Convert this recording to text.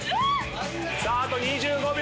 さああと２５秒。